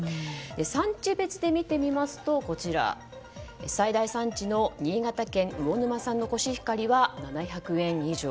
産地別で見てみますと最大産地の新潟県魚沼産コシヒカリは７００円以上。